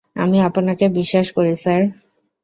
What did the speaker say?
আমি আপনাকে বিশ্বাস করি, স্যার।